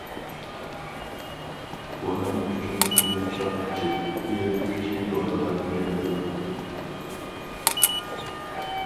بۇنىڭ ئۈچۈن يۇمشاتقۇچى، ئېرىتكۈچى دورىلار بېرىلىدۇ.